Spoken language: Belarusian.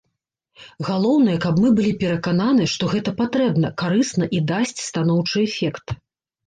Галоўнае, каб мы былі перакананы, што гэта патрэбна, карысна і дасць станоўчы эфект.